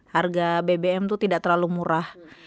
harga bbm itu tidak terlalu murah